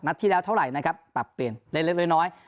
นัดที่แล้วเท่าไหร่นะครับปรับเป็นเล็ก